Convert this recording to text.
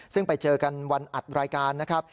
ซึ่งไปเจอกันวันอัดรายการนะครับ